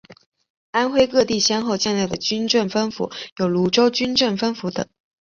安徽各地先后建立的军政分府有庐州军政分府等。